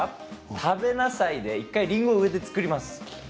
食べなさいで上にりんごを作ります。